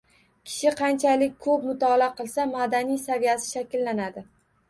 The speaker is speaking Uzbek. Kishi kanchalik ko‘p mutolaa qilsa, madaniy saviyasi shakllanadi.